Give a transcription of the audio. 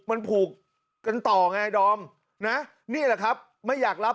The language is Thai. มันผูกกันต่อไงดอมนะนี่แหละครับไม่อยากรับ